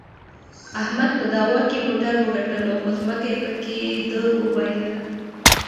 احمد په دعوا کې موټر وګټلو، خو ځمکه یې پکې د وباییلله.